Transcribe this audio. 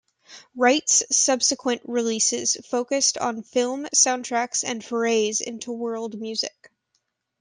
Wright's subsequent releases focused on film soundtracks and forays into world music.